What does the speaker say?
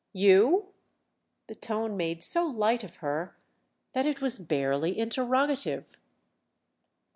"You?" The tone made so light of her that it was barely interrogative.